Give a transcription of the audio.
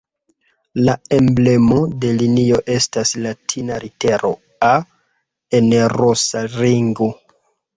La emblemo de linio estas latina litero "A" en rosa ringo.